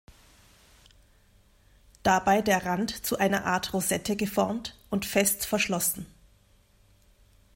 Dabei der Rand zu einer Art Rosette geformt und fest verschlossen.